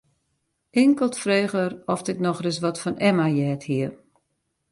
Inkeld frege er oft ik noch ris wat fan Emma heard hie.